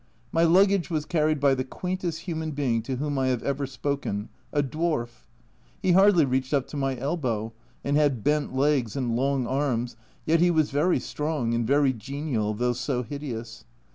My luggage was carried by the quaintest human being to whom I have ever spoken a dwarf. He hardly reached up to my elbow, and had bent legs and long arms, yet he was very strong and very genial, though so hideous.